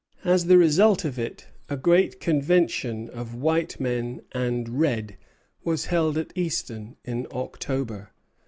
As the result of it, a great convention of white men and red was held at Easton in October.